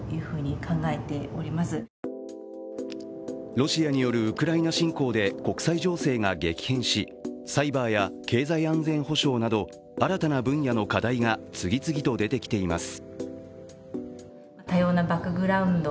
ロシアによるウクライナ侵攻で国際情勢が激変しサイバーや経済安全保障など新たな分野の課題が次々と出てきています。